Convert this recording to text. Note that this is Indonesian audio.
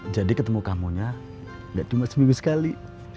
jadi ketemu kamu gak cuma seminggu sekali